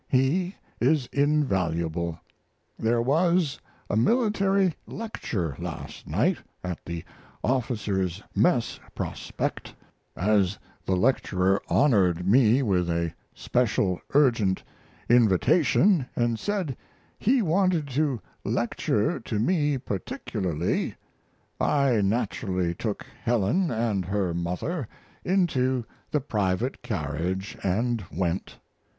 He is invaluable. There was a military lecture last night at the Officers' Mess Prospect; as the lecturer honored me with a special urgent invitation, and said he wanted to lecture to me particularly, I naturally took Helen and her mother into the private carriage and went.